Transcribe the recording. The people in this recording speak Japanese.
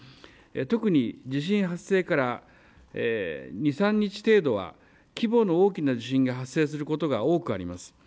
特に地震発生から２、３日程度は規模の大きな地震が発生することが多くあります。